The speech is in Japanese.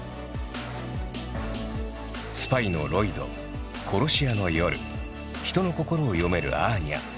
スパイのロイド殺し屋のヨル人の心を読めるアーニャ。